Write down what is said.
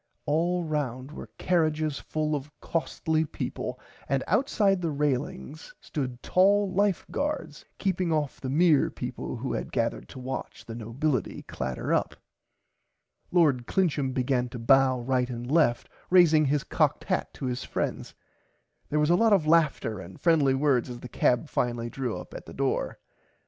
All round were carrages full of costly peaple and outside the railings stood tall Life Guards keeping off the mere peaple who had gathered to watch the nobility clatter up. Lord Clincham began to bow right and left raising his cocked hat to his friends. There was a lot of laughter and friendly words as the cab finally drew up at the front door.